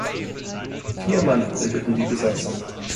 Vier Mann bildeten die Besatzung.